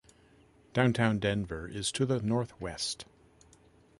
Downtown Denver is to the northwest.